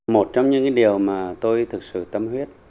một trong những cái điều mà tôi thực sự tâm huyết